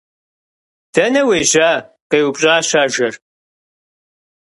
- Дэнэ уежьа? - къеупщӀащ ажэр.